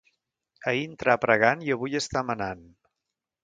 Ahir entrà pregant i avui està manant.